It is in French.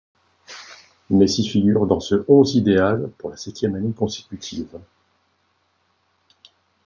Messi figure dans ce onze idéal pour la septième année consécutive.